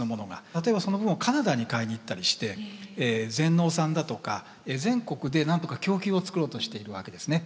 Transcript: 例えばその分をカナダに買いに行ったりして全農さんだとか全国で何とか供給を作ろうとしているわけですね。